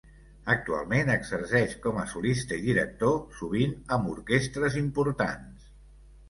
Actualment exerceix com a solista i director, sovint amb orquestres importants.